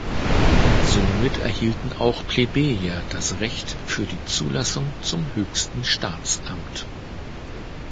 Somit erhielten auch Plebejer das Recht für die Zulassung zum höchsten Staatsamt.